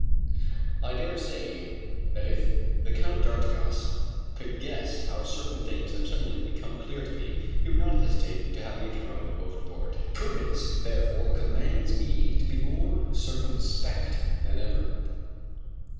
I dare say that if the Count d'Artigas could guess how certain things have suddenly become clear to me, he would not hesitate to have me thrown overboard. Prudence therefore commands me to be more circumspect than ever.